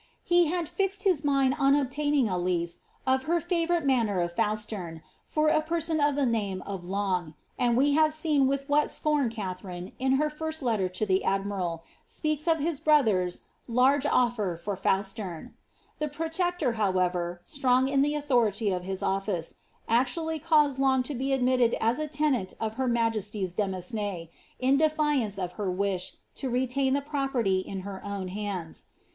He had fixed his mind on obtaining a lease of her fa Tourite manor of Fausterne, for a person of the name of Long ; and we have seen with what scorn Katharine, in her first letter to the admiral, speaks of his brother's ^^ large offer for Fausterne.^' The protector, however, strong in the authority of his office, actually cause^ Long to be admitted as a tenant of her majesty's demesne, in defiance of her wish to riEftain the property in her own hands.